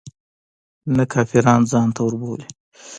نه کافران ځانته وربولي.